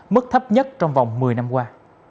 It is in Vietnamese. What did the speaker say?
mức thấp nhất trong vòng một mươi năm qua